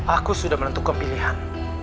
aku sudah menentukan pilihan